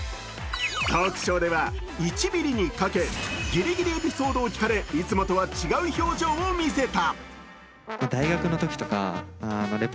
トークショーでは１ｍｍにかけギリギリエピソードを聞かれ、いつもとは違う表情を見せた。